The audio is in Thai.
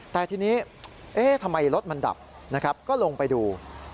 แต่ทีนี้ทำไมรถมันดับนะครับก็ลงไปดู